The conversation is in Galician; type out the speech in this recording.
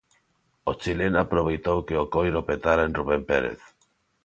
O chileno aproveitou que o coiro petara en Rubén Pérez.